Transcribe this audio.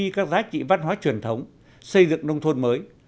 các giá trị văn hóa truyền thống xây dựng nông thôn mới